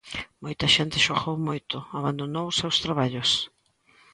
Moita xente xogou moito, abandonou os seus traballos.